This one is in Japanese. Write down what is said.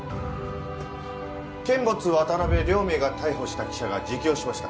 監物渡辺両名が逮捕した記者が自供しました。